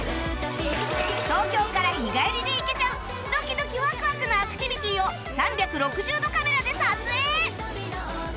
東京から日帰りで行けちゃうドキドキわくわくなアクティビティを３６０度カメラで撮影